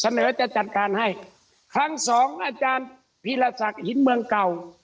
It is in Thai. เสนอจะจัดการให้ครั้งสองอาจารย์พีรศักดิ์หินเมืองเก่า